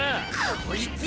こいつ！